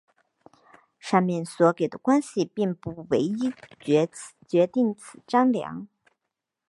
上面所给的关系并不唯一决定此张量。